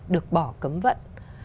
được bỏ cấm vận